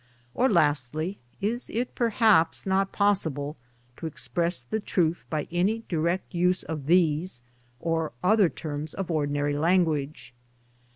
Or lastly is it perhaps not possible to express the truth by any direct use of these or other terms of ordinary language